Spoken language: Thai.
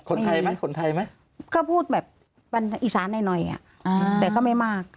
คนไทยไหมคนไทยไหมก็พูดแบบวันอีสานหน่อยหน่อยแต่ก็ไม่มาก